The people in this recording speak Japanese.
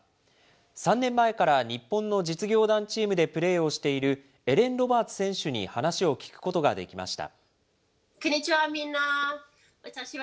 ３年前から日本の実業団チームでプレーをしている、エレン・ロバーツ選手に話を聞くことができました。